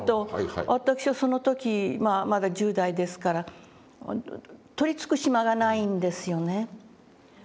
私はその時まだ１０代ですから取りつく島がないんですよね。